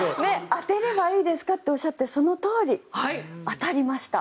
当てればいいですかとおっしゃってそのとおり当たりました。